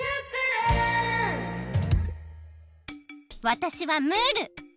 わたしはムール。